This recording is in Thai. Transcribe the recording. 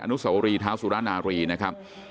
นุสวรีเท้าสุรนารีนะครับ